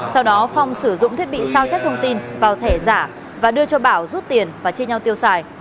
sau đó phong sử dụng thiết bị sao chép thông tin vào thẻ giả và đưa cho bảo rút tiền và chia nhau tiêu xài